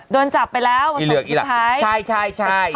โดนจับไปแล้ววันสองสุดท้ายอีเหลือกใช่